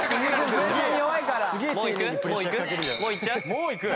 もういく？